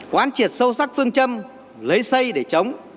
quán triệt sâu sắc phương châm lấy xây để chống